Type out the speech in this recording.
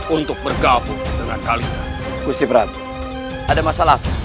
untuk bergabung dengan kalian kusip rap ada masalah